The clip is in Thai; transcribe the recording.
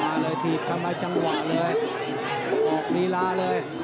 มาเลยถีบทำลายจังหวะเลยออกลีลาเลย